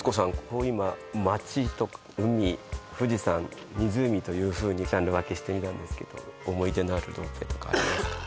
こう今街とか海富士山湖というふうにジャンル分けしてみたんですけど思い出のあるロープウェイとかありますか？